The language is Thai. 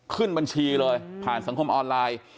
ขึ้นบัญชีเลยผ่านสังคมออนไลน์